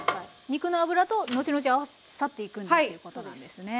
肉の脂と後々合わさっていくんだということなんですね。